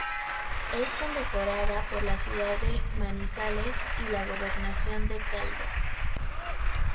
Es condecorada por la ciudad de Manizales y la Gobernación de Caldas.